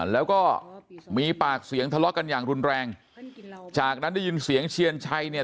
แล้วก็มีปากเสียงทะเลาะกันอย่างรุนแรงจากนั้นได้ยินเสียงเชียนชัยเนี่ย